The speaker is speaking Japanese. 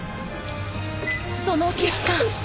その結果。